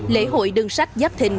lễ hội đường sách giáp thình